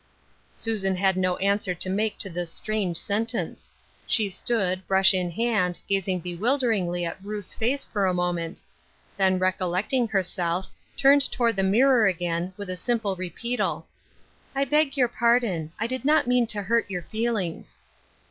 Susan had no answer to make to this strange sentence. She stood, brush in hand, gazing bewilderingly at Ruth's face for a moment. Then, recollecting herself, turned toward the mirror again, with the simple repeatal :" I beg your pardon. I did not mean to hurt your feelings."